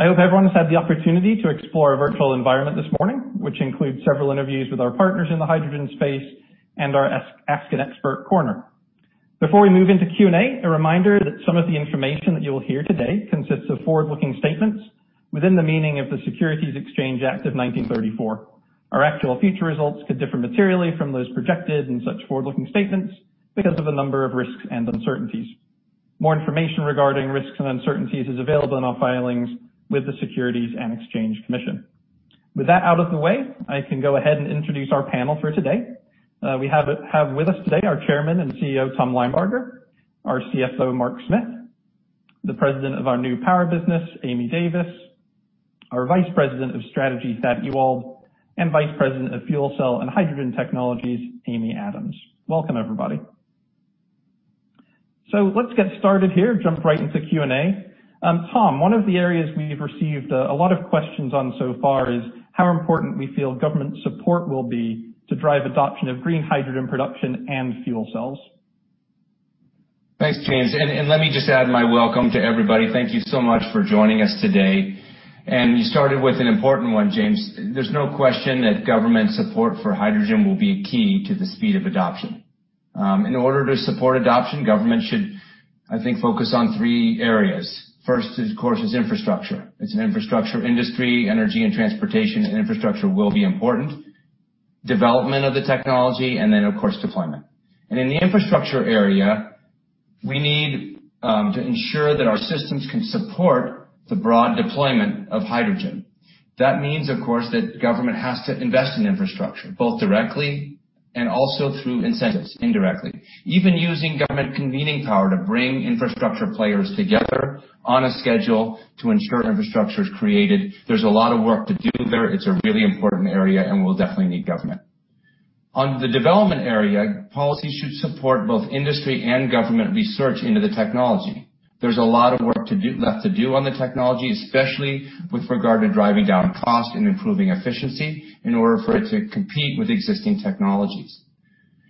I hope everyone has had the opportunity to explore our virtual environment this morning, which includes several interviews with our partners in the hydrogen space and our Ask an Expert corner. Before we move into Q&A, a reminder that some of the information that you will hear today consists of forward-looking statements within the meaning of the Securities Exchange Act of 1934. Our actual future results could differ materially from those projected in such forward-looking statements because of a number of risks and uncertainties. More information regarding risks and uncertainties is available in our filings with the Securities and Exchange Commission. With that out of the way, I can go ahead and introduce our panel for today. We have with us today our Chairman and CEO, Tom Linebarger, our CFO, Mark Smith, the President of our New Power business, Amy Davis, our Vice President of Strategy, Thad Ewald, and Vice President of Fuel Cell and Hydrogen Technologies, Amy Adams. Welcome, everybody. Let's get started here, jump right into Q&A. Tom, one of the areas we've received a lot of questions on so far is how important we feel government support will be to drive adoption of green hydrogen production and fuel cells. Thanks, James. Let me just add my welcome to everybody. Thank you so much for joining us today. You started with an important one, James. There's no question that government support for hydrogen will be key to the speed of adoption. In order to support adoption, government should, I think, focus on three areas. First, of course, is infrastructure. It's an infrastructure industry, energy and transportation, and infrastructure will be important, development of the technology, and then, of course, deployment. In the infrastructure area, we need to ensure that our systems can support the broad deployment of hydrogen. That means, of course, that government has to invest in infrastructure, both directly and also through incentives indirectly, even using government convening power to bring infrastructure players together on a schedule to ensure infrastructure is created. There's a lot of work to do there. It's a really important area, and we'll definitely need government. On the development area, policy should support both industry and government research into the technology. There's a lot of work left to do on the technology, especially with regard to driving down cost and improving efficiency in order for it to compete with existing technologies.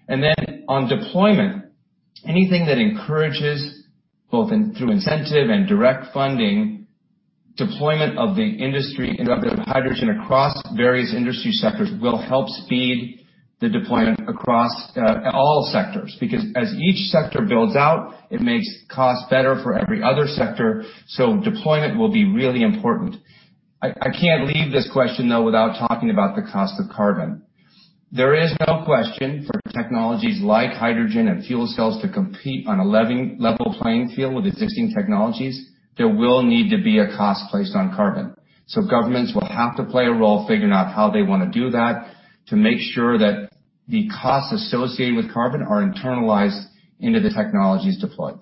Then on deployment, anything that encourages, both through incentive and direct funding, deployment of the industry and of hydrogen across various industry sectors will help speed the deployment across all sectors. As each sector builds out, it makes costs better for every other sector. Deployment will be really important. I can't leave this question, though, without talking about the cost of carbon. There is no question for technologies like hydrogen and fuel cells to compete on a level playing field with existing technologies, there will need to be a cost placed on carbon. Governments will have to play a role figuring out how they want to do that to make sure that the costs associated with carbon are internalized into the technologies deployed.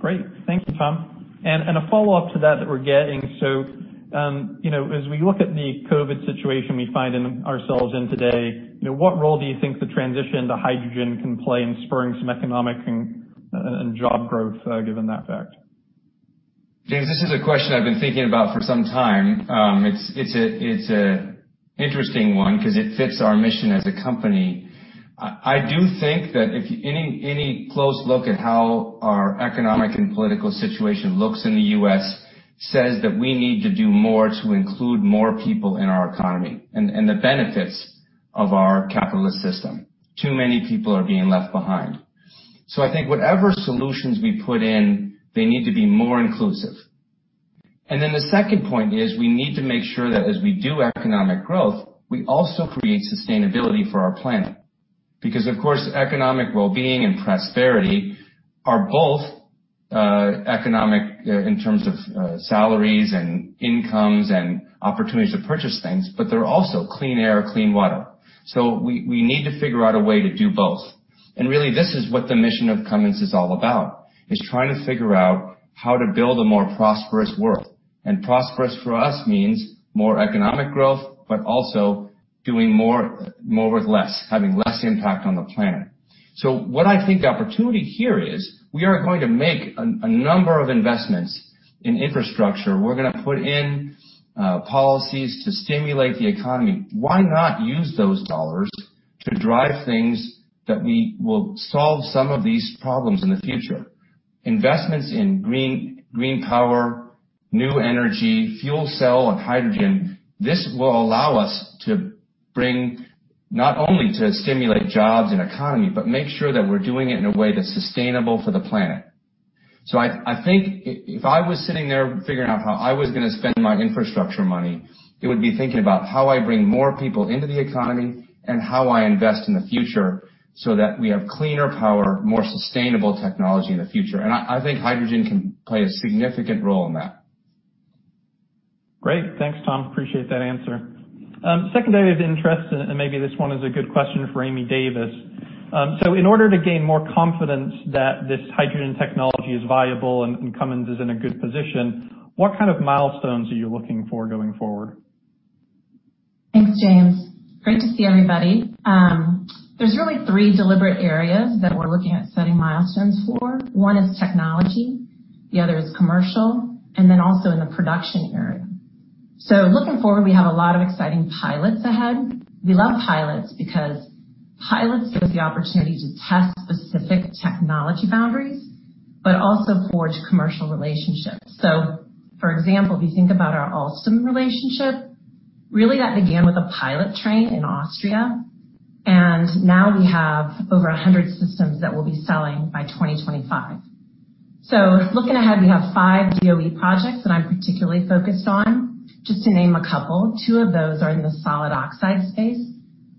Great. Thank you, Tom. A follow-up to that we're getting. As we look at the COVID situation we find ourselves in today, what role do you think the transition to hydrogen can play in spurring some economic and job growth given that fact? James, this is a question I've been thinking about for some time. It's an interesting one because it fits our mission as a company. I do think that any close look at how our economic and political situation looks in the U.S. says that we need to do more to include more people in our economy and the benefits of our capitalist system. Too many people are being left behind. I think whatever solutions we put in, they need to be more inclusive. The second point is we need to make sure that as we do economic growth, we also create sustainability for our planet, because, of course, economic well-being and prosperity are both economic in terms of salaries and incomes and opportunities to purchase things, but they're also clean air, clean water. We need to figure out a way to do both. Really, this is what the mission of Cummins is all about, is trying to figure out how to build a more prosperous world. Prosperous for us means more economic growth, but also doing more with less, having less impact on the planet. What I think the opportunity here is we are going to make a number of investments in infrastructure. We're going to put in policies to stimulate the economy. Why not use those dollars to drive things that will solve some of these problems in the future? Investments in green power, new energy, fuel cell, and hydrogen. This will allow us to bring not only to stimulate jobs and economy, but make sure that we're doing it in a way that's sustainable for the planet. I think if I was sitting there figuring out how I was going to spend my infrastructure money, it would be thinking about how I bring more people into the economy and how I invest in the future so that we have cleaner power, more sustainable technology in the future. I think hydrogen can play a significant role in that. Great. Thanks, Tom. Appreciate that answer. Secondary of interest. Maybe this one is a good question for Amy Davis. In order to gain more confidence that this hydrogen technology is viable and Cummins is in a good position, what kind of milestones are you looking for going forward? Thanks, James. Great to see everybody. There's really three deliberate areas that we're looking at setting milestones for. One is technology, the other is commercial, and also in the production area. Looking forward, we have a lot of exciting pilots ahead. We love pilots because pilots give the opportunity to test specific technology boundaries, but also forge commercial relationships. For example, if you think about our Alstom relationship, really that began with a pilot train in Austria, and now we have over 100 systems that we'll be selling by 2025. Looking ahead, we have five DOE projects that I'm particularly focused on, just to name a couple. Two of those are in the solid oxide space,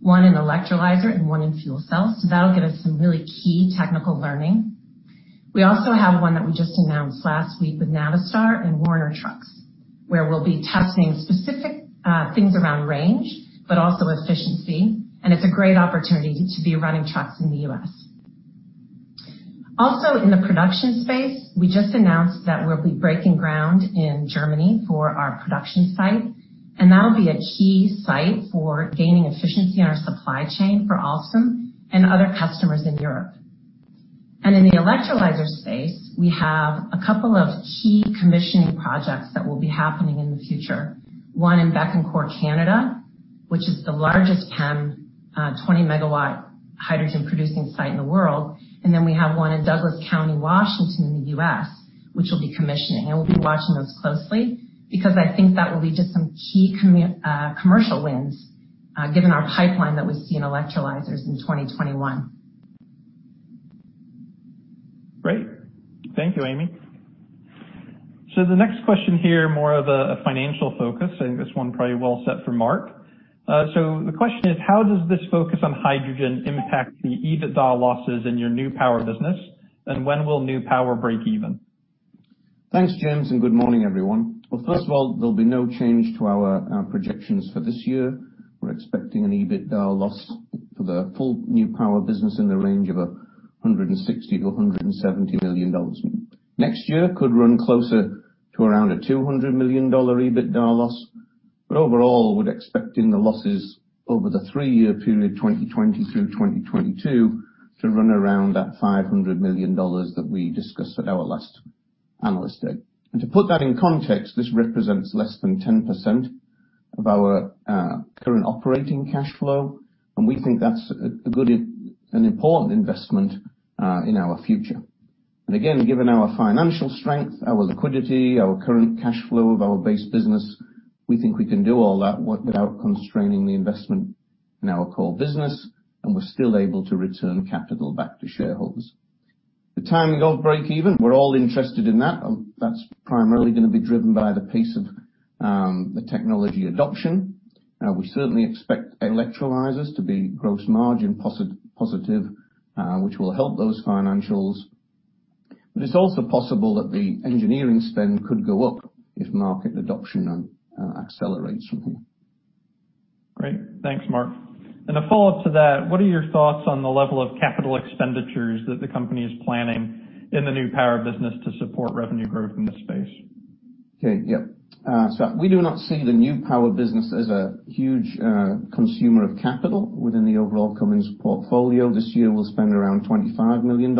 one in electrolyzer and one in fuel cells. That'll give us some really key technical learning. We also have one that we just announced last week with Navistar and Werner Trucks, where we'll be testing specific things around range, but also efficiency, and it's a great opportunity to be running trucks in the U.S. Also, in the production space, we just announced that we'll be breaking ground in Germany for our production site, and that'll be a key site for gaining efficiency in our supply chain for Alstom and other customers in Europe. In the electrolyzer space, we have a couple of key commissioning projects that will be happening in the future. One in Bécancour, Canada, which is the largest PEM 20 MW hydrogen producing site in the world. We have one in Douglas County, Washington in the U.S., which will be commissioning. We'll be watching those closely because I think that will lead to some key commercial wins, given our pipeline that we see in electrolyzers in 2021. Great. Thank you, Amy. The next question here, more of a financial focus. I think this one probably well set for Mark. The question is, how does this focus on hydrogen impact the EBITDA losses in your New Power business, and when will New Power break even? Thanks, James. Good morning, everyone. Well, first of all, there'll be no change to our projections for this year. We're expecting an EBITDA loss for the full New Power business in the range of $160 million-$170 million. Next year could run closer to around a $200 million EBITDA loss. Overall, we're expecting the losses over the three-year period, 2020 through 2022, to run around that $500 million that we discussed at our last analyst date. To put that in context, this represents less than 10% of our current operating cash flow, and we think that's a good and important investment in our future. Again, given our financial strength, our liquidity, our current cash flow of our base business, we think we can do all that without constraining the investment in our core business, and we're still able to return capital back to shareholders. The timing of break-even, we're all interested in that. That's primarily going to be driven by the pace of the technology adoption. We certainly expect electrolyzers to be gross margin positive, which will help those financials. It's also possible that the engineering spend could go up if market adoption accelerates from here. Great. Thanks, Mark. A follow-up to that, what are your thoughts on the level of capital expenditures that the company is planning in the New Power business to support revenue growth in this space? We do not see the New Power business as a huge consumer of capital within the overall Cummins portfolio. This year, we'll spend around $25 million.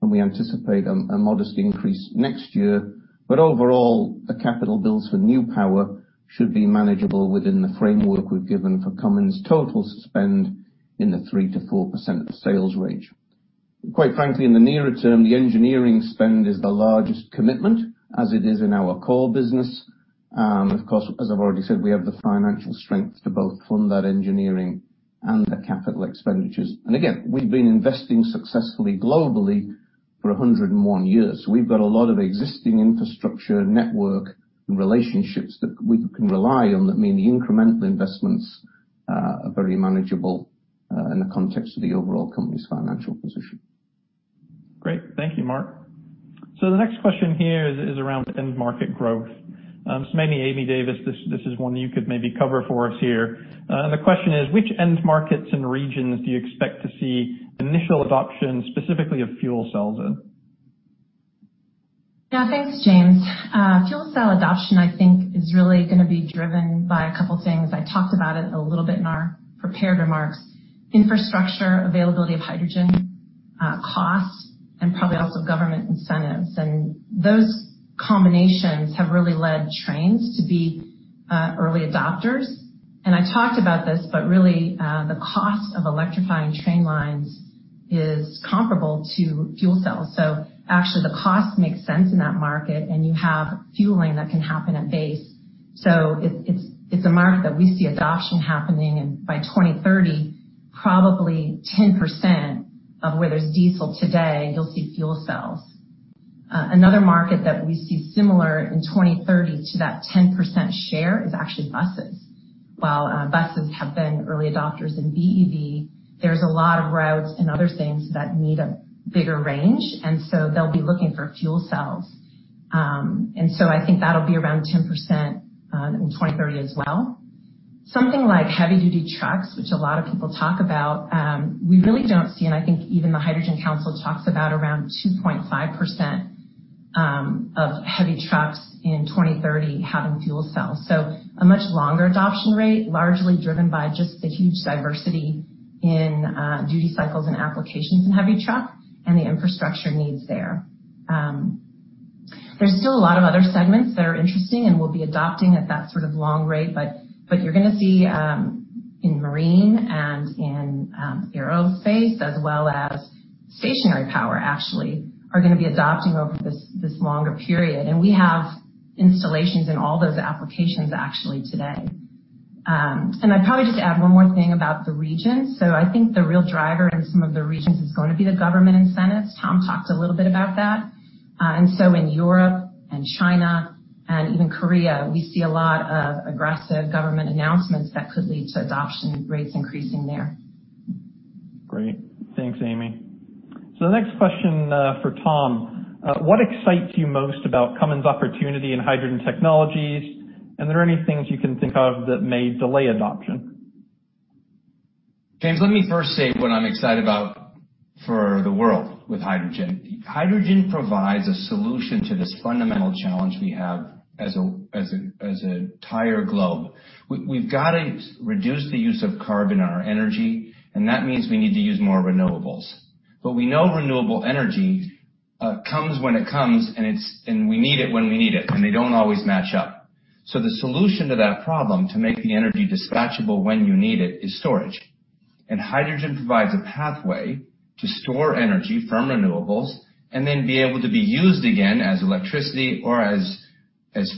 We anticipate a modest increase next year. Overall, the capital build for New Power should be manageable within the framework we've given for Cummins' total spend in the 3%-4% of sales range. Quite frankly, in the nearer term, the engineering spend is the largest commitment as it is in our core business. Of course, as I've already said, we have the financial strength to both fund that engineering and the capital expenditures. Again, we've been investing successfully globally for 101 years. We've got a lot of existing infrastructure network and relationships that we can rely on that mean the incremental investments are very manageable in the context of the overall company's financial position. Great. Thank you, Mark. The next question here is around end market growth. Maybe Amy Davis, this is one that you could maybe cover for us here. The question is, which end markets and regions do you expect to see initial adoption, specifically of fuel cells in? Yeah. Thanks, James. fuel cell adoption, I think is really going to be driven by a couple things. I talked about it a little bit in our prepared remarks. Infrastructure availability of hydrogen, costs, and probably also government incentives. Those combinations have really led trains to be early adopters. I talked about this, but really, the cost of electrifying train lines is comparable to fuel cells. Actually the cost makes sense in that market, and you have fueling that can happen at base. It's a market that we see adoption happening, and by 2030, probably 10% of where there's diesel today, you'll see fuel cells. Another market that we see similar in 2030 to that 10% share is actually buses. While buses have been early adopters in BEV, there's a lot of routes and other things that need a bigger range, and so they'll be looking for fuel cells. I think that'll be around 10% in 2030 as well. Something like heavy duty trucks, which a lot of people talk about, we really don't see, and I think even the Hydrogen Council talks about around 2.5% of heavy trucks in 2030 having fuel cells. A much longer adoption rate, largely driven by just the huge diversity in duty cycles and applications in heavy truck and the infrastructure needs there. There's still a lot of other segments that are interesting and will be adopting at that sort of long rate. You're going to see in marine and in aerospace as well as stationary power, actually, are going to be adopting over this longer period. We have installations in all those applications actually today. I'd probably just add one more thing about the regions. I think the real driver in some of the regions is going to be the government incentives. Tom talked a little bit about that. In Europe and China and even Korea, we see a lot of aggressive government announcements that could lead to adoption rates increasing there. Great. Thanks, Amy. The next question for Tom. What excites you most about Cummins' opportunity in hydrogen technologies, and are there any things you can think of that may delay adoption? James, let me first say what I'm excited about for the world with hydrogen. Hydrogen provides a solution to this fundamental challenge we have as an entire globe. We've got to reduce the use of carbon in our energy. That means we need to use more renewables. We know renewable energy comes when it comes. We need it when we need it. They don't always match up. The solution to that problem, to make the energy dispatchable when you need it, is storage. Hydrogen provides a pathway to store energy from renewables and then be able to be used again as electricity or as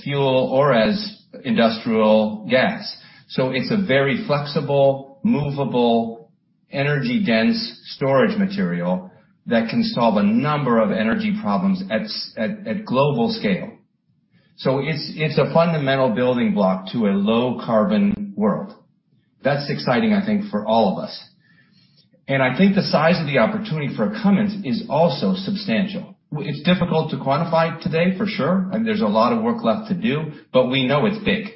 fuel or as industrial gas. It's a very flexible, movable, energy-dense storage material that can solve a number of energy problems at global scale. It's a fundamental building block to a low-carbon world. That's exciting, I think, for all of us. I think the size of the opportunity for Cummins is also substantial. It's difficult to quantify today for sure, and there's a lot of work left to do, but we know it's big.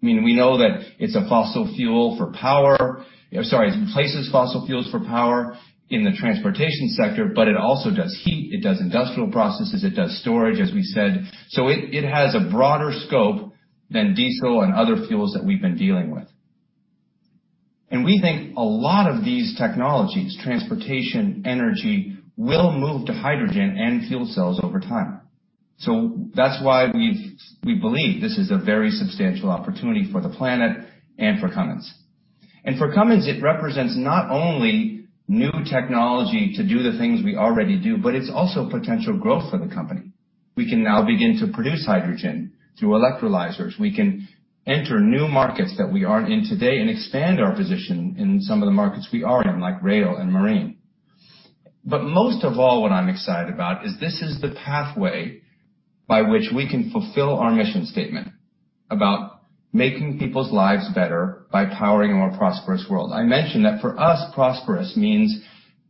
We know that it's a fossil fuel for power. Sorry, it replaces fossil fuels for power in the transportation sector, but it also does heat, it does industrial processes, it does storage, as we said. It has a broader scope than diesel and other fuels that we've been dealing with. We think a lot of these technologies, transportation, energy, will move to hydrogen and fuel cells over time. That's why we believe this is a very substantial opportunity for the planet and for Cummins. For Cummins, it represents not only new technology to do the things we already do, but it's also potential growth for the company. We can now begin to produce hydrogen through electrolyzers. We can enter new markets that we aren't in today and expand our position in some of the markets we are in, like rail and marine. Most of all, what I'm excited about is this is the pathway by which we can fulfill our mission statement about making people's lives better by powering a more prosperous world. I mentioned that for us, prosperous means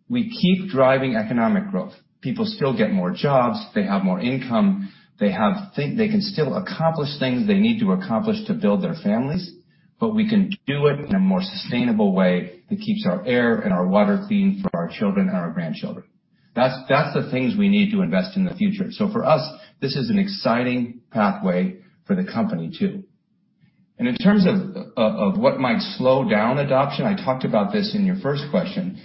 we keep driving economic growth. People still get more jobs. They have more income. They can still accomplish things they need to accomplish to build their families, but we can do it in a more sustainable way that keeps our air and our water clean for our children and our grandchildren. That's the things we need to invest in the future. For us, this is an exciting pathway for the company too. In terms of what might slow down adoption, I talked about this in your first question.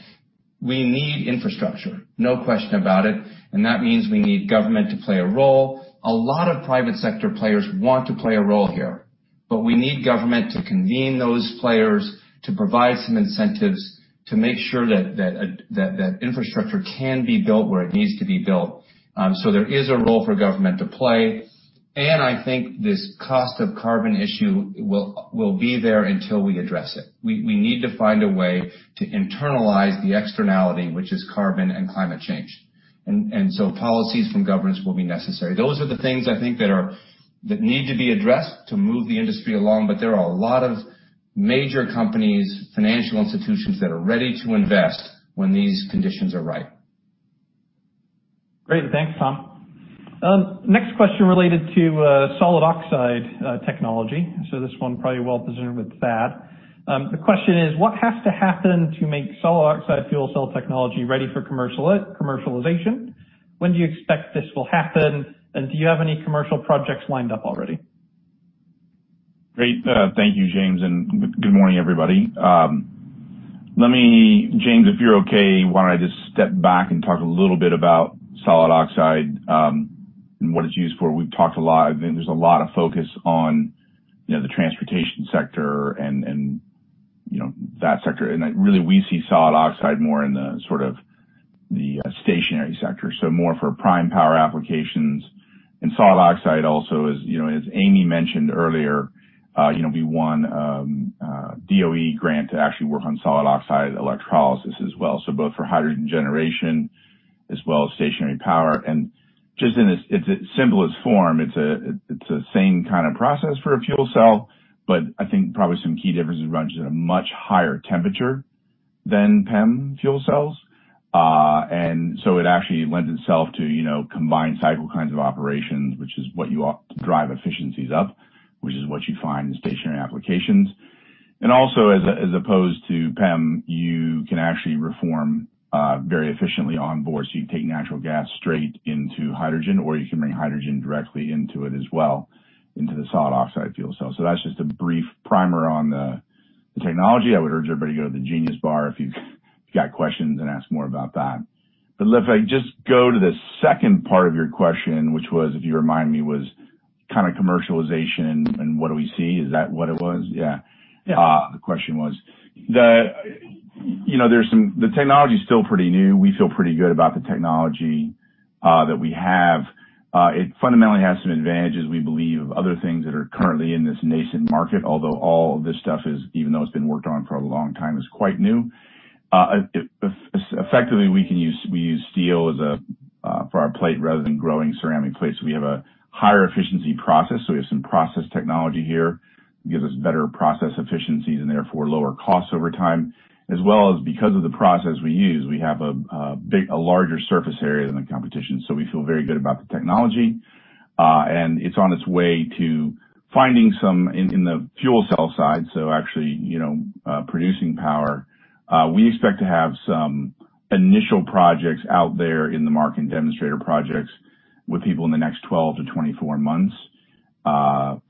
We need infrastructure, no question about it, and that means we need government to play a role. A lot of private sector players want to play a role here, but we need government to convene those players, to provide some incentives to make sure that infrastructure can be built where it needs to be built. There is a role for government to play, and I think this cost of carbon issue will be there until we address it. We need to find a way to internalize the externality, which is carbon and climate change. Policies from governments will be necessary. Those are the things I think that need to be addressed to move the industry along. There are a lot of major companies, financial institutions that are ready to invest when these conditions are right. Great. Thanks, Tom. Next question related to solid oxide technology. This one probably well deserved with Thad. The question is, what has to happen to make solid oxide fuel cell technology ready for commercialization? When do you expect this will happen? Do you have any commercial projects lined up already? Great. Thank you, James, and good morning, everybody. James, if you're okay, why don't I just step back and talk a little bit about solid oxide and what it's used for. We've talked a lot, there's a lot of focus on the transportation sector and that sector. Really, we see solid oxide more in the sort of the stationary sector, so more for prime power applications. Solid oxide also, as Amy mentioned earlier, we won a DOE grant to actually work on solid oxide electrolysis as well. Both for hydrogen generation as well as stationary power. Just in its simplest form, it's the same kind of process for a fuel cell, but I think probably some key differences, it runs at a much higher temperature than PEM fuel cells. It actually lends itself to combined cycle kinds of operations, which is what you drive efficiencies up, which is what you find in stationary applications. Also, as opposed to PEM, you can actually reform very efficiently on board. You take natural gas straight into hydrogen, or you can bring hydrogen directly into it as well, into the solid oxide fuel cell. That's just a brief primer on the technology. I would urge everybody to go to the Genius Bar if you've got questions and ask more about that. If I just go to the second part of your question, which was, if you remind me, was kind of commercialization and what do we see? Is that what it was? Yeah. Yeah. The question was. The technology is still pretty new. We feel pretty good about the technology that we have. It fundamentally has some advantages, we believe, of other things that are currently in this nascent market, although all of this stuff is, even though it's been worked on for a long time, is quite new. Effectively, we use steel for our plate rather than growing ceramic plates. We have a higher efficiency process, so we have some process technology here. It gives us better process efficiencies and therefore lower costs over time. As well as because of the process we use, we have a larger surface area than the competition. We feel very good about the technology, and it's on its way to finding some in the fuel cell side, so actually producing power. We expect to have some initial projects out there in the market and demonstrator projects with people in the next 12 to 24 months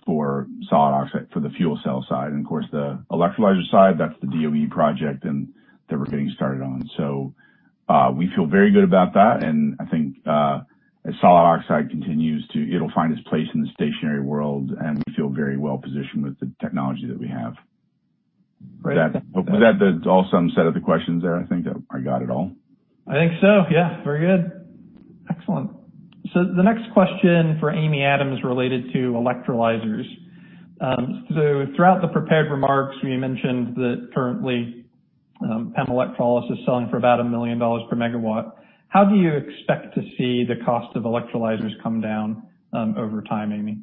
for solid oxide for the fuel cell side. Of course, the electrolyzer side, that's the DOE project that we're getting started on. We feel very good about that, and I think as solid oxide continues, it'll find its place in the stationary world, and we feel very well-positioned with the technology that we have. Great. Was that the awesome set of the questions there? I think that I got it all. I think so, yeah. Very good. Excellent. The next question for Amy Adams related to electrolyzers. Throughout the prepared remarks, you mentioned that currently, PEM electrolysis is selling for about $1 million per MW. How do you expect to see the cost of electrolyzers come down over time, Amy?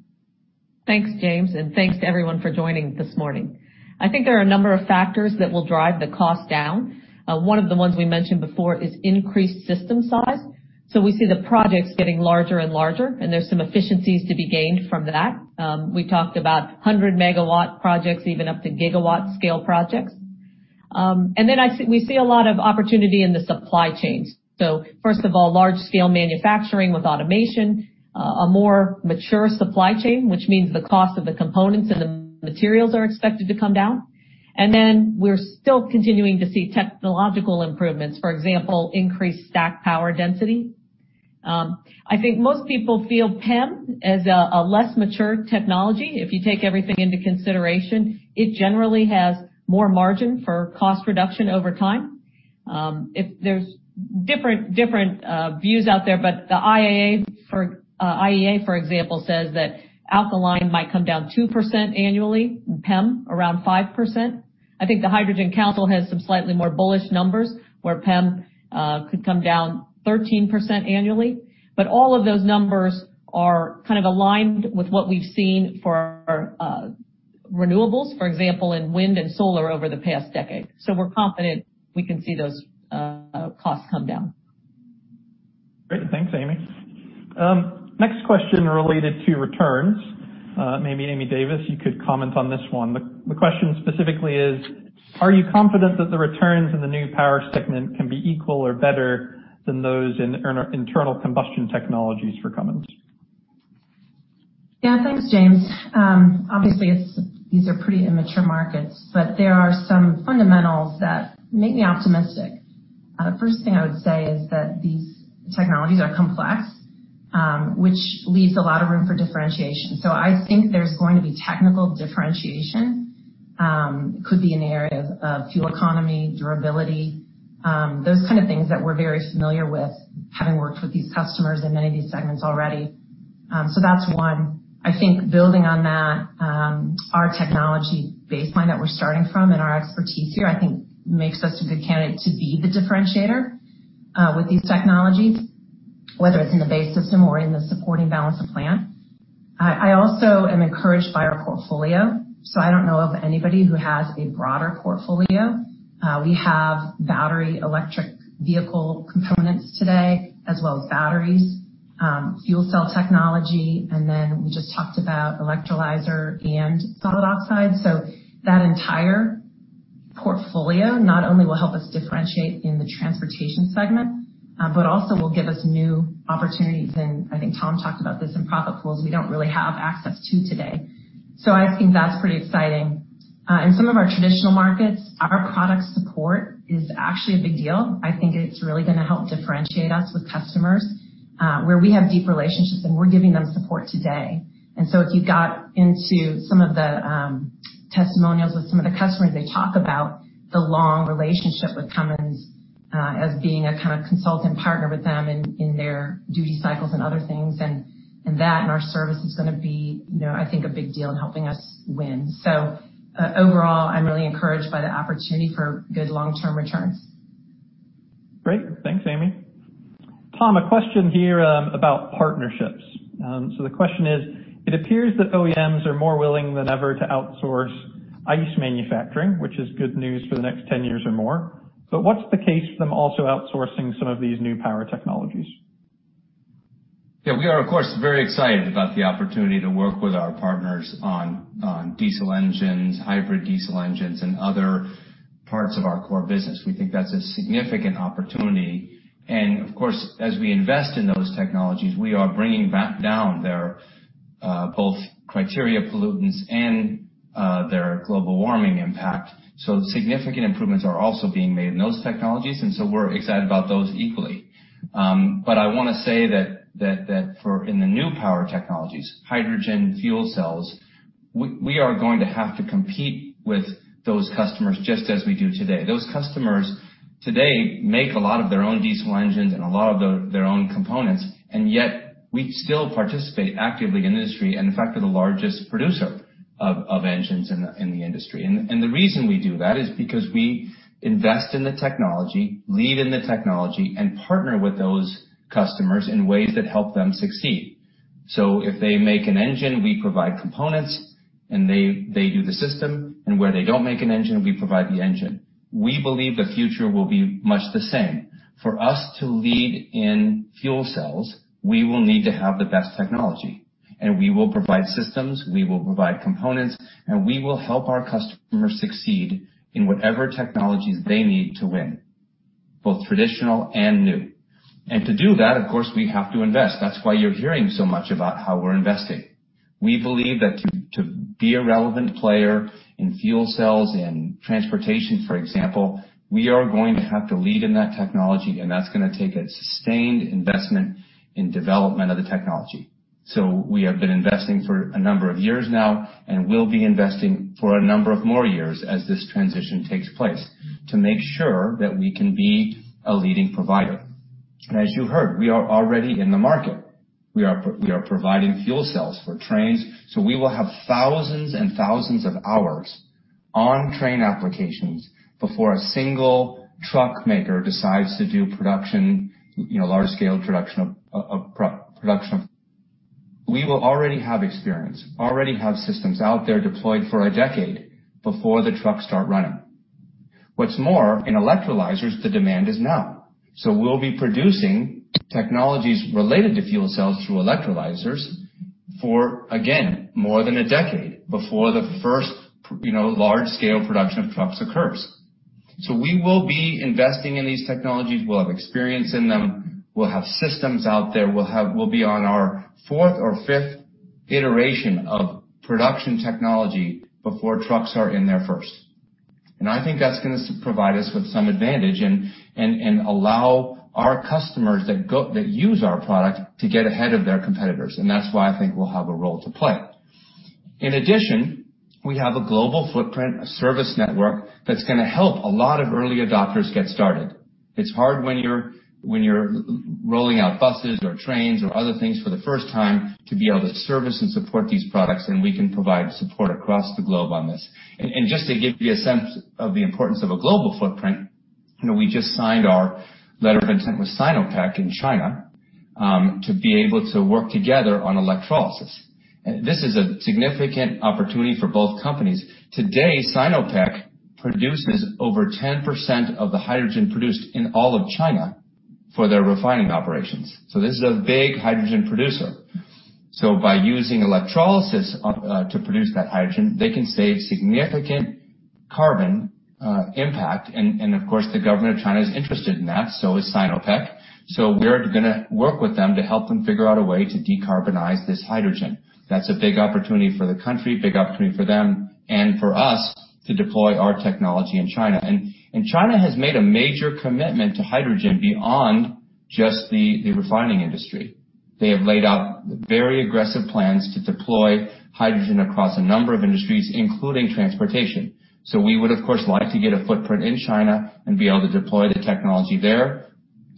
Thanks, James, and thanks to everyone for joining this morning. I think there are a number of factors that will drive the cost down. One of the ones we mentioned before is increased system size. We see the projects getting larger and larger, and there's some efficiencies to be gained from that. We talked about 100 MW projects, even up to gigawatt scale projects. We see a lot of opportunity in the supply chains. First of all, large-scale manufacturing with automation, a more mature supply chain, which means the cost of the components and the materials are expected to come down. We're still continuing to see technological improvements. For example, increased stack power density. I think most people feel PEM as a less mature technology. If you take everything into consideration, it generally has more margin for cost reduction over time. There's different views out there, but the IEA, for example, says that alkaline might come down 2% annually, and PEM around 5%. I think the Hydrogen Council has some slightly more bullish numbers where PEM could come down 13% annually. All of those numbers are kind of aligned with what we've seen for renewables, for example, in wind and solar over the past decade. We're confident we can see those costs come down. Great. Thanks, Amy. Next question related to returns. Maybe Amy Davis, you could comment on this one. The question specifically is: Are you confident that the returns in the New Power Segment can be equal or better than those in internal combustion technologies for Cummins? Yeah. Thanks, James. Obviously, these are pretty immature markets, but there are some fundamentals that make me optimistic. First thing I would say is that these technologies are complex, which leaves a lot of room for differentiation. I think there's going to be technical differentiation. It could be in the area of fuel economy, durability, those kind of things that we're very familiar with, having worked with these customers in many of these segments already. That's one. I think building on that, our technology baseline that we're starting from and our expertise here, I think makes us a good candidate to be the differentiator with these technologies, whether it's in the base system or in the supporting balance of plant. I also am encouraged by our portfolio, I don't know of anybody who has a broader portfolio. We have battery electric vehicle components today as well as batteries, fuel cell technology, and then we just talked about electrolyzer and solid oxide. That entire portfolio not only will help us differentiate in the transportation segment, but also will give us new opportunities in, I think Tom talked about this in profit pools, we don't really have access to today. I think that's pretty exciting. In some of our traditional markets, our product support is actually a big deal. I think it's really going to help differentiate us with customers where we have deep relationships and we're giving them support today. If you got into some of the testimonials with some of the customers, they talk about the long relationship with Cummins as being a kind of consultant partner with them in their duty cycles and other things. That and our service is going to be I think a big deal in helping us win. Overall, I'm really encouraged by the opportunity for good long-term returns. Great. Thanks, Amy. Tom, a question here about partnerships. The question is: It appears that OEMs are more willing than ever to outsource ICE manufacturing, which is good news for the next 10 years or more, but what's the case for them also outsourcing some of these New Power technologies? We are, of course, very excited about the opportunity to work with our partners on diesel engines, hybrid diesel engines, and other parts of our core business. We think that's a significant opportunity. As we invest in those technologies, we are bringing back down their both criteria pollutants and their global warming impact. Significant improvements are also being made in those technologies, we're excited about those equally. I want to say that in the New Power technologies, hydrogen fuel cells, we are going to have to compete with those customers just as we do today. Those customers today make a lot of their own diesel engines and a lot of their own components, and yet we still participate actively in the industry, and in fact, are the largest producer of engines in the industry. The reason we do that is because we invest in the technology, lead in the technology, and partner with those customers in ways that help them succeed. If they make an engine, we provide components, they do the system, where they don't make an engine, we provide the engine. We believe the future will be much the same. For us to lead in fuel cells, we will need to have the best technology. We will provide systems, we will provide components, we will help our customers succeed in whatever technologies they need to win, both traditional and new. To do that, of course, we have to invest. That's why you're hearing so much about how we're investing. We believe that to be a relevant player in fuel cells, in transportation, for example, we are going to have to lead in that technology, that's going to take a sustained investment in development of the technology. We have been investing for a number of years now and will be investing for a number of more years as this transition takes place to make sure that we can be a leading provider. As you heard, we are already in the market. We are providing fuel cells for trains. We will have thousands and thousands of hours on train applications before a single truck maker decides to do production. We will already have experience, already have systems out there deployed for a decade before the trucks start running. What's more, in electrolyzers, the demand is now. We'll be producing technologies related to fuel cells through electrolyzers for, again, more than a decade before the first large-scale production of trucks occurs. We will be investing in these technologies, we'll have experience in them. We'll have systems out there. We'll be on our fourth or fifth iteration of production technology before trucks are in there first. I think that's going to provide us with some advantage and allow our customers that use our product to get ahead of their competitors. That's why I think we'll have a role to play. In addition, we have a global footprint, a service network that's going to help a lot of early adopters get started. It's hard when you're rolling out buses or trains or other things for the first time to be able to service and support these products, and we can provide support across the globe on this. Just to give you a sense of the importance of a global footprint, we just signed our letter of intent with Sinopec in China, to be able to work together on electrolysis. This is a significant opportunity for both companies. Today, Sinopec produces over 10% of the hydrogen produced in all of China for their refining operations. This is a big hydrogen producer. By using electrolysis to produce that hydrogen, they can save significant carbon impact. Of course, the government of China is interested in that. Is Sinopec. We're going to work with them to help them figure out a way to decarbonize this hydrogen. That's a big opportunity for the country, big opportunity for them and for us to deploy our technology in China. China has made a major commitment to hydrogen beyond just the refining industry. They have laid out very aggressive plans to deploy hydrogen across a number of industries, including transportation. We would, of course, like to get a footprint in China and be able to deploy the technology there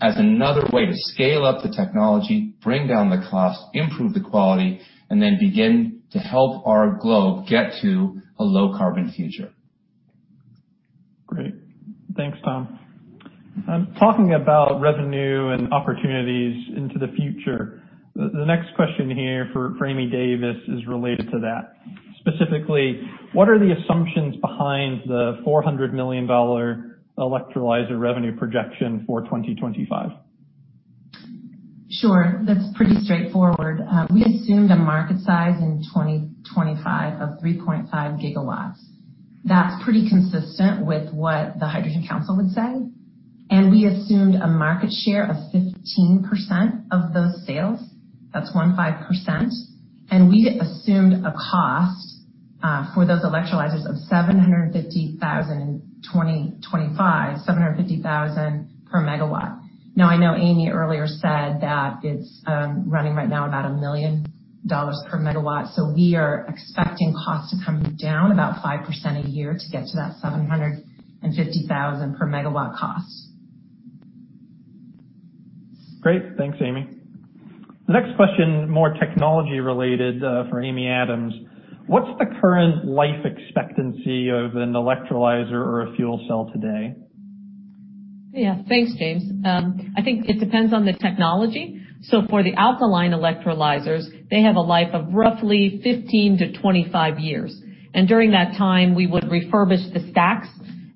as another way to scale up the technology, bring down the cost, improve the quality, and then begin to help our globe get to a low-carbon future. Great. Thanks, Tom. Talking about revenue and opportunities into the future, the next question here for Amy Davis is related to that. Specifically, what are the assumptions behind the $400 million electrolyzer revenue projection for 2025? Sure. That's pretty straightforward. We assumed a market size in 2025 of 3.5 GW. That's pretty consistent with what the Hydrogen Council would say. We assumed a market share of 15% of those sales. That's 15%. We assumed a cost for those electrolyzers of $750,000 in 2025, $750,000 per MW. Now, I know Amy earlier said that it's running right now about $1 million per MW. We are expecting cost to come down about 5% a year to get to that $750,000 per MW cost. Great. Thanks, Amy. The next question, more technology-related, for Amy Adams. What's the current life expectancy of an electrolyzer or a fuel cell today? Yeah. Thanks, James. I think it depends on the technology. For the alkaline electrolyzers, they have a life of roughly 15 to 25 years. During that time, we would refurbish the stacks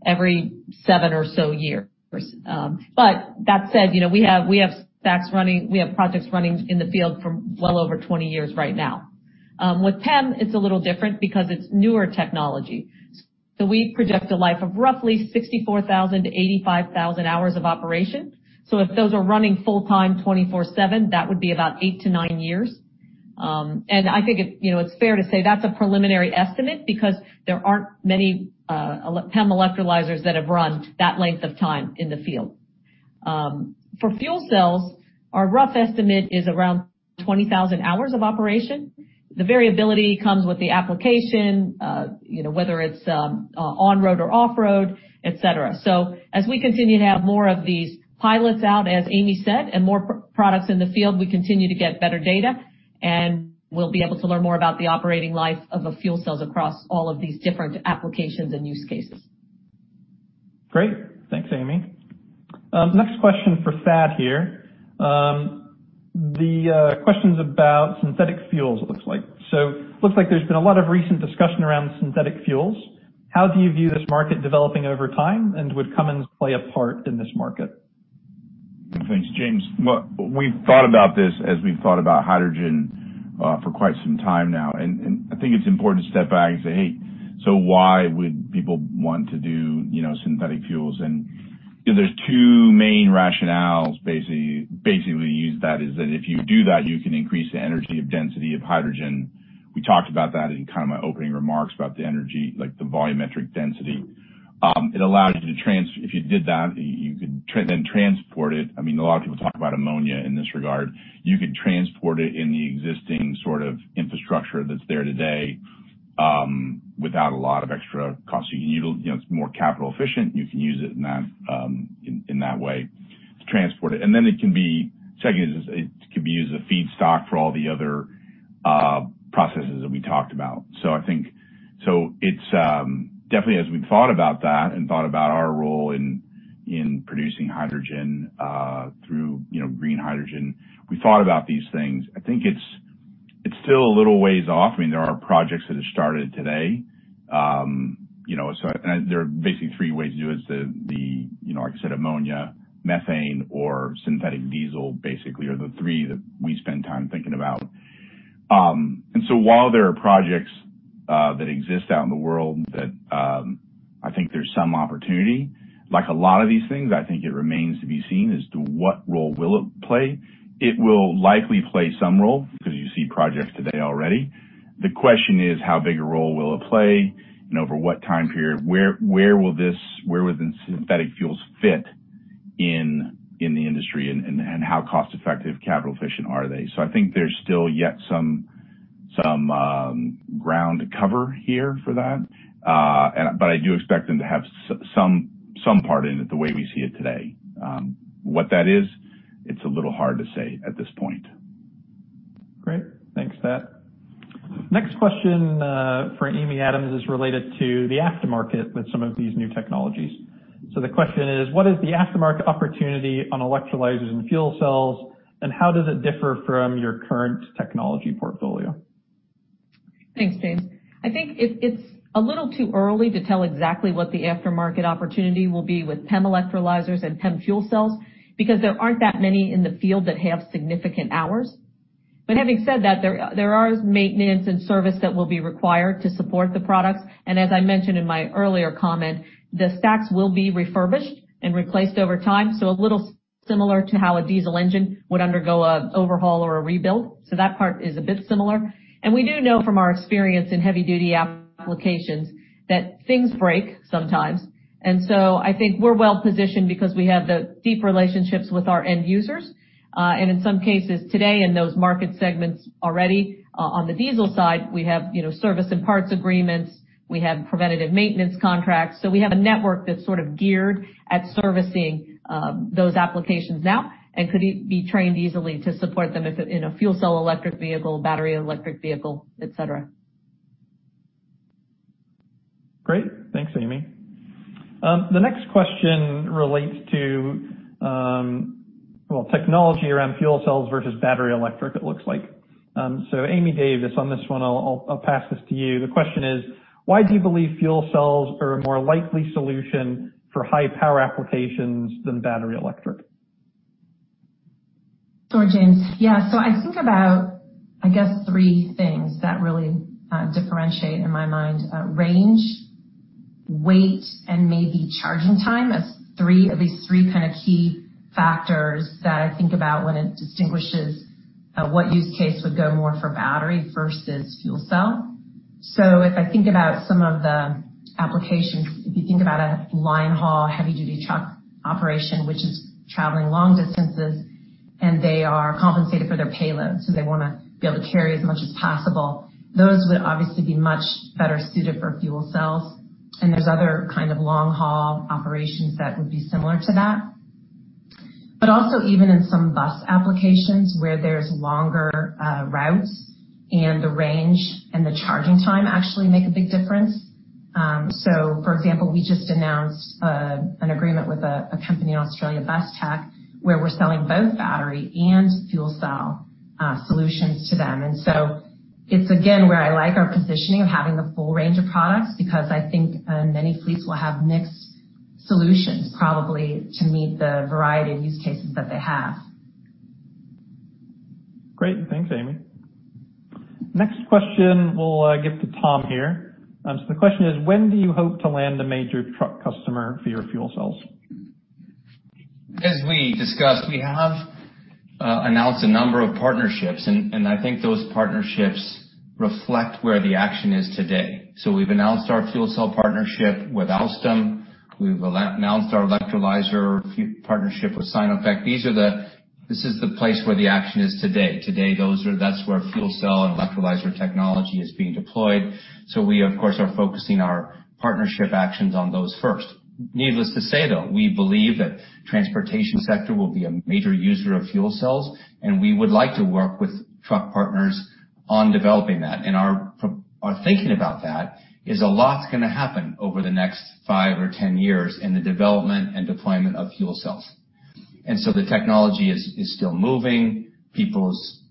every seven or so years. That said, we have stacks running, we have projects running in the field for well over 20 years right now. With PEM, it's a little different because it's newer technology. We project a life of roughly 64,000 to 85,000 hours of operation. If those are running full-time, 24/7, that would be about eight to nine years. I think it's fair to say that's a preliminary estimate because there aren't many PEM electrolyzers that have run that length of time in the field. For fuel cells, our rough estimate is around 20,000 hours of operation. The variability comes with the application, whether it's on-road or off-road, et cetera. As we continue to have more of these pilots out, as Amy said, and more products in the field, we continue to get better data, and we'll be able to learn more about the operating life of the fuel cells across all of these different applications and use cases. Great. Thanks, Amy. Next question for Thad here. The question's about synthetic fuels, it looks like. Looks like there's been a lot of recent discussion around synthetic fuels. How do you view this market developing over time, and would Cummins play a part in this market? Thanks, James. Well, we've thought about this as we've thought about hydrogen for quite some time now, and I think it's important to step back and say, "Hey, so why would people want to do synthetic fuels?" There's two main rationales, basically to use that, is that if you do that, you can increase the energy of density of hydrogen. We talked about that in my opening remarks about the energy, like the volumetric density. If you did that, you could then transport it. A lot of people talk about ammonia in this regard. You could transport it in the existing infrastructure that's there today without a lot of extra cost. It's more capital efficient. You can use it in that way to transport it. Second is, it could be used as a feedstock for all the other processes that we talked about. Definitely as we've thought about that and thought about our role in producing hydrogen through green hydrogen, we thought about these things. I think it is still a little ways off. There are projects that have started today. There are basically three ways to do it. Like I said, ammonia, methane, or synthetic diesel, basically, are the three that we spend time thinking about. While there are projects that exist out in the world that I think there is some opportunity, like a lot of these things, I think it remains to be seen as to what role will it play. It will likely play some role because you see projects today already. The question is how big a role will it play and over what time period. Where will the synthetic fuels fit in the industry, and how cost-effective, capital efficient are they? I think there's still yet some ground to cover here for that. I do expect them to have some part in it the way we see it today. What that is, it's a little hard to say at this point. Great. Thanks, Thad. Next question for Amy Adams is related to the aftermarket with some of these new technologies. The question is, what is the aftermarket opportunity on electrolyzers and fuel cells, and how does it differ from your current technology portfolio? Thanks, James. I think it's a little too early to tell exactly what the aftermarket opportunity will be with PEM electrolyzers and PEM fuel cells, because there aren't that many in the field that have significant hours. Having said that, there are maintenance and service that will be required to support the products. As I mentioned in my earlier comment, the stacks will be refurbished and replaced over time, a little similar to how a diesel engine would undergo an overhaul or a rebuild. That part is a bit similar. We do know from our experience in heavy-duty applications that things break sometimes. I think we're well-positioned because we have the deep relationships with our end users. In some cases today in those market segments already on the diesel side, we have service and parts agreements, we have preventative maintenance contracts. We have a network that's geared at servicing those applications now and could be trained easily to support them in a fuel cell electric vehicle, battery electric vehicle, et cetera. Great. Thanks, Amy. The next question relates to technology around fuel cells versus battery electric, it looks like. Amy Davis, on this one, I'll pass this to you. The question is, why do you believe fuel cells are a more likely solution for high-power applications than battery electric? Sure, James. Yeah. I think about, I guess, three things that really differentiate in my mind, range, weight, and maybe charging time as at least three key factors that I think about when it distinguishes what use case would go more for battery versus fuel cell. If I think about some of the applications, if you think about a line haul heavy-duty truck operation, which is traveling long distances, and they are compensated for their payload, so they want to be able to carry as much as possible. Those would obviously be much better suited for fuel cells, and there's other long-haul operations that would be similar to that. Also even in some bus applications where there's longer routes and the range and the charging time actually make a big difference. For example, we just announced an agreement with a company in Australia, BusTech, where we're selling both battery and fuel cell solutions to them. It's again where I like our positioning of having the full range of products because I think many fleets will have mixed solutions probably to meet the variety of use cases that they have. Great. Thanks, Amy. Next question we'll give to Tom here. The question is: When do you hope to land a major truck customer for your fuel cells? As we discussed, we have announced a number of partnerships, and I think those partnerships reflect where the action is today. We've announced our fuel cell partnership with Alstom. We've announced our electrolyzer partnership with Sinopec. This is the place where the action is today. Today, that's where fuel cell and electrolyzer technology is being deployed. We, of course, are focusing our partnership actions on those first. Needless to say, though, we believe that transportation sector will be a major user of fuel cells, and we would like to work with truck partners on developing that. Our thinking about that is a lot's going to happen over the next five or 10 years in the development and deployment of fuel cells. The technology is still moving. People's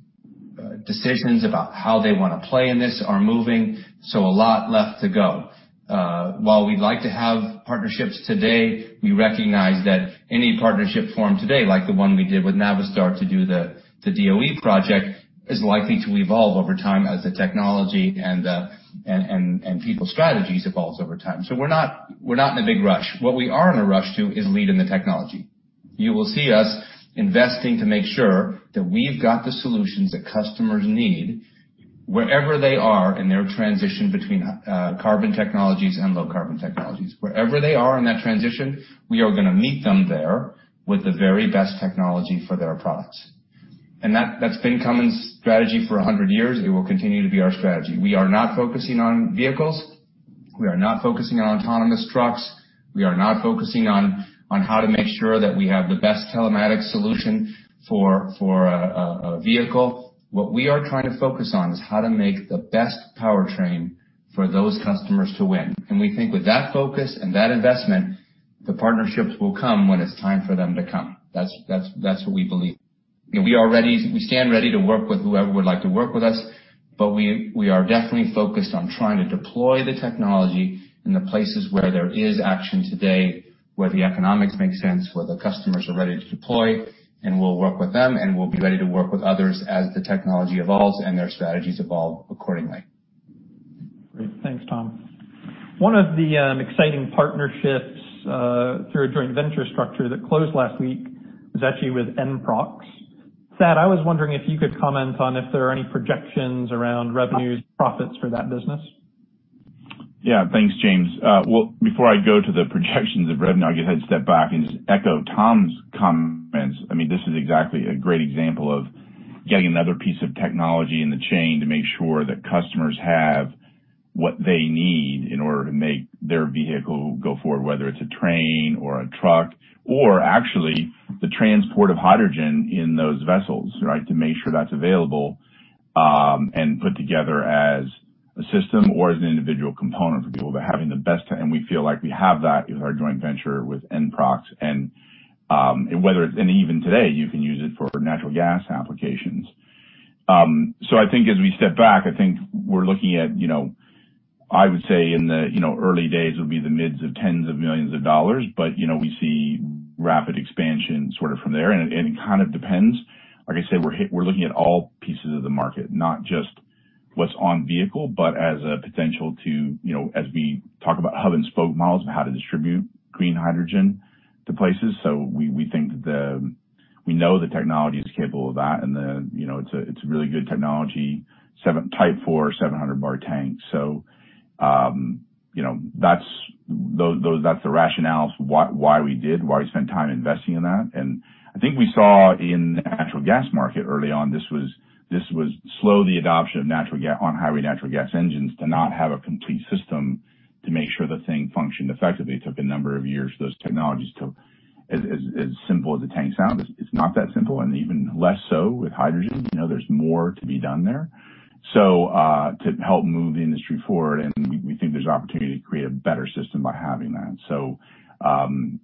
decisions about how they want to play in this are moving, so a lot left to go. While we'd like to have partnerships today, we recognize that any partnership formed today, like the one we did with Navistar to do the DOE project, is likely to evolve over time as the technology and people's strategies evolves over time. We're not in a big rush. What we are in a rush to is lead in the technology. You will see us investing to make sure that we've got the solutions that customers need wherever they are in their transition between carbon technologies and low carbon technologies. Wherever they are in that transition, we are going to meet them there with the very best technology for their products. That's been Cummins' strategy for 100 years. It will continue to be our strategy. We are not focusing on vehicles. We are not focusing on autonomous trucks. We are not focusing on how to make sure that we have the best telematic solution for a vehicle. What we are trying to focus on is how to make the best powertrain for those customers to win. We think with that focus and that investment, the partnerships will come when it's time for them to come. That's what we believe. We stand ready to work with whoever would like to work with us, but we are definitely focused on trying to deploy the technology in the places where there is action today, where the economics make sense, where the customers are ready to deploy, and we'll work with them, and we'll be ready to work with others as the technology evolves and their strategies evolve accordingly. Great. Thanks, Tom. One of the exciting partnerships through a joint venture structure that closed last week was actually with NPROXX. Thad, I was wondering if you could comment on if there are any projections around revenues, profits for that business. Yeah. Thanks, James. Before I go to the projections of revenue, I'll go ahead and step back and just echo Tom's comments. This is exactly a great example of getting another piece of technology in the chain to make sure that customers have what they need in order to make their vehicle go forward, whether it's a train or a truck, or actually the transport of hydrogen in those vessels, to make sure that's available, and put together as a system or as an individual component for people. Having the best, and we feel like we have that with our joint venture with NPROXX. Even today, you can use it for natural gas applications. I think as we step back, I think we're looking at, I would say in the early days, it would be the midst of tens of millions of dollars, but we see rapid expansion sort of from there. It kind of depends. Like I said, we're looking at all pieces of the market, not just what's on vehicle, but as a potential to, as we talk about hub and spoke models, how to distribute green hydrogen to places. We know the technology is capable of that, and it's a really good technology, Type IV, 700-bar tank. That's the rationale why we did, why we spent time investing in that. I think we saw in the natural gas market early on, this was slow the adoption of on-highway natural gas engines to not have a complete system to make sure the thing functioned effectively. It took a number of years for those technologies to, as simple as a tank sounds, it's not that simple, and even less so with hydrogen. There's more to be done there. To help move the industry forward, and we think there's opportunity to create a better system by having that.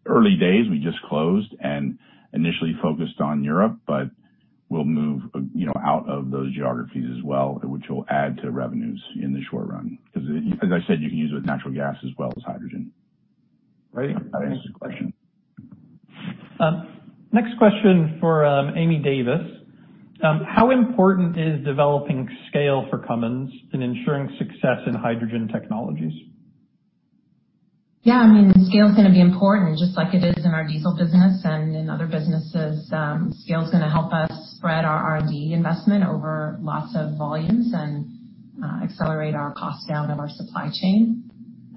Early days, we just closed and initially focused on Europe, but we'll move out of those geographies as well, which will add to revenues in the short run. As I said, you can use it with natural gas as well as hydrogen. I think I answered your question. Next question for Amy Davis. How important is developing scale for Cummins in ensuring success in hydrogen technologies? Yeah. Scale is going to be important, just like it is in our diesel business and in other businesses. Scale is going to help us spread our R&D investment over lots of volumes and accelerate our cost down of our supply chain.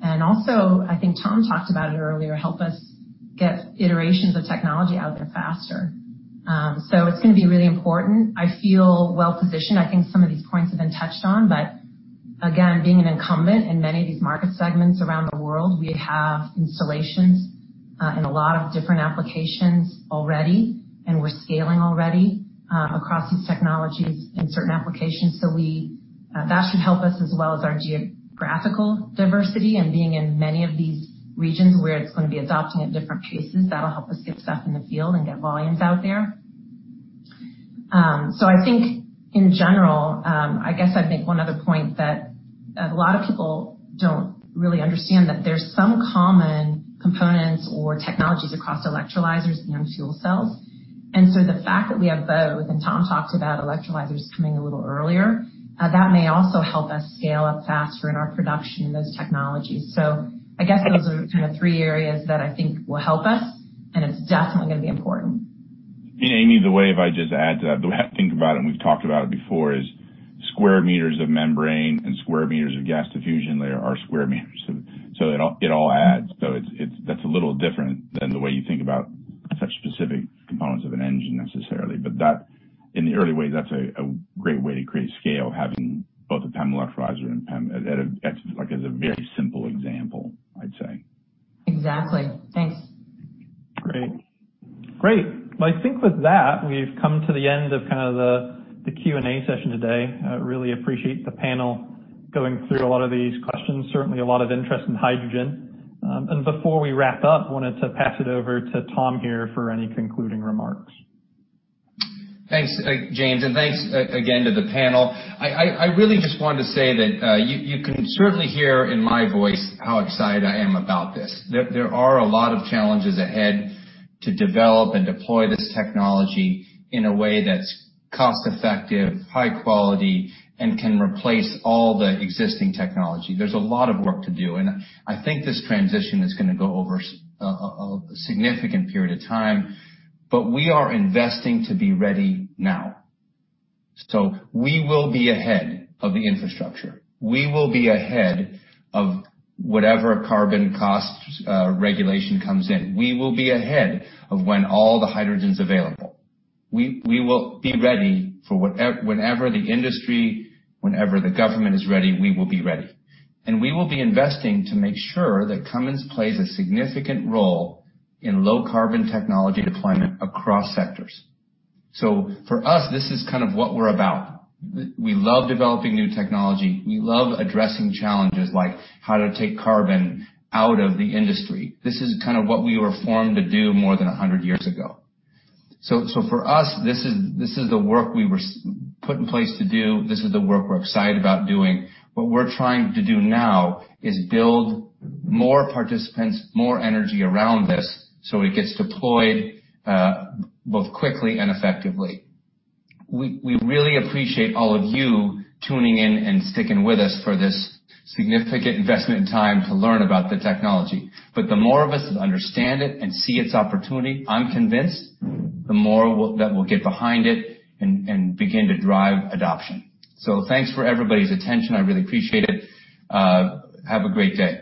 Also, I think Tom talked about it earlier, help us get iterations of technology out there faster. It's going to be really important. I feel well-positioned. I think some of these points have been touched on, but again, being an incumbent in many of these market segments around the world, we have installations in a lot of different applications already, and we're scaling already across these technologies in certain applications. That should help us as well as our geographical diversity and being in many of these regions where it's going to be adopting at different paces. That'll help us get stuff in the field and get volumes out there. I think in general, I guess I'd make one other point that a lot of people don't really understand that there's some common components or technologies across electrolyzers and fuel cells. The fact that we have both, and Tom talked about electrolyzers coming a little earlier, that may also help us scale up faster in our production in those technologies. I guess those are kind of three areas that I think will help us, and it's definitely going to be important. Amy, the way if I just add to that, the way I think about it, and we've talked about it before, is square meters of membrane and square meters of gas diffusion layer are square meters. It all adds. That's a little different than the way you think about such specific components of an engine, necessarily. In the early ways, that's a great way to create scale, having both a PEM electrolyzer and PEM, like as a very simple example, I'd say. Exactly. Thanks. Great. Well, I think with that, we've come to the end of kind of the Q&A session today. I really appreciate the panel going through a lot of these questions. Certainly, a lot of interest in hydrogen. Before we wrap up, wanted to pass it over to Tom here for any concluding remarks. Thanks, James. Thanks again to the panel. I really just wanted to say that you can certainly hear in my voice how excited I am about this. There are a lot of challenges ahead to develop and deploy this technology in a way that's cost-effective, high quality, and can replace all the existing technology. There's a lot of work to do. I think this transition is going to go over a significant period of time. We are investing to be ready now. We will be ahead of the infrastructure. We will be ahead of whatever carbon cost regulation comes in. We will be ahead of when all the hydrogen's available. We will be ready for whenever the industry, whenever the government is ready, we will be ready. We will be investing to make sure that Cummins plays a significant role in low-carbon technology deployment across sectors. For us, this is kind of what we're about. We love developing new technology. We love addressing challenges like how to take carbon out of the industry. This is kind of what we were formed to do more than 100 years ago. For us, this is the work we were put in place to do. This is the work we're excited about doing. What we're trying to do now is build more participants, more energy around this, so it gets deployed both quickly and effectively. We really appreciate all of you tuning in and sticking with us for this significant investment in time to learn about the technology. The more of us that understand it and see its opportunity, I'm convinced the more that we'll get behind it and begin to drive adoption. Thanks for everybody's attention. I really appreciate it. Have a great day.